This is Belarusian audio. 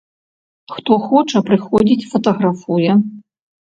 Хто хоча, прыходзіць, фатаграфуе.